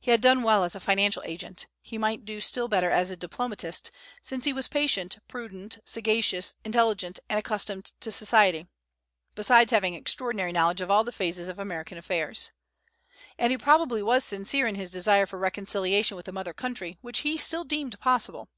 He had done well as a financial agent; he might do still better as a diplomatist, since he was patient, prudent, sagacious, intelligent, and accustomed to society, besides having extraordinary knowledge of all phases of American affairs. And he probably was sincere in his desire for reconciliation with the mother country, which he still deemed possible.